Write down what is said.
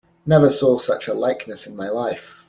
Never saw such a likeness in my life!